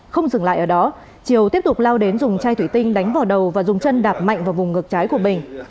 không dừng lại ở đó triều tiếp tục lao đến dùng chai thủy tinh đánh vào đầu và dùng chân đạp mạnh vào vùng ngược trái của bình